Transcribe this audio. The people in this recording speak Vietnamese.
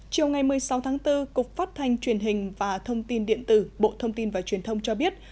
chiều ngày một mươi sáu tháng bốn cục phát thanh truyền hình và thông tin điện tử bộ thông tin và truyền thông cho biết